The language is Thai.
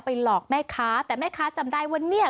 หลอกแม่ค้าแต่แม่ค้าจำได้ว่าเนี่ย